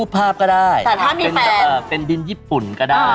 เป็นดินญี่ปุ่นก็ได้